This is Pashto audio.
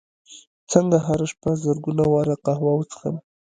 څنګه هره شپه زرګونه واره قهوه وڅښم